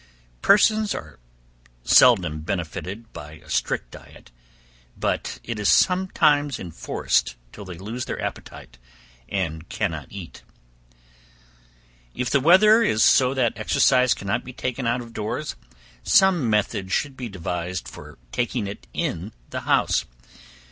Persons are seldom benefitted by a strict diet, but it is sometimes enforced till they lose their appetite and cannot eat. If the weather is so that exercise cannot be taken out of doors, some method should be devised for taking it in the house.